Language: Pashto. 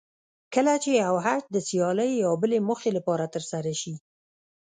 کله چې یو حج د سیالۍ یا بلې موخې لپاره ترسره شي.